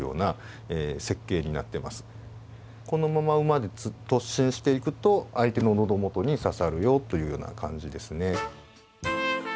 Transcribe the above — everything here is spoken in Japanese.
このまま馬で突進していくと相手の喉元に刺さるよというような感じですね。